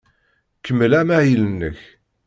Kemmel amahil-nnek.